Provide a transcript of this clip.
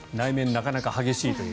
なかなか激しいという。